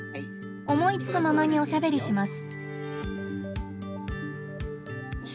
思いつくままにおしゃべりします。